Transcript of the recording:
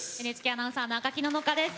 ＮＨＫアナウンサーの赤木野々花です。